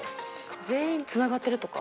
全員つながってるとか？